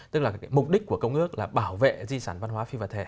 tức là mục đích của công ước là bảo vệ di sản văn hóa phi vật thể